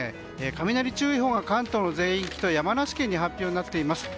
雷注意報が関東の全域と山梨県に発表になっています。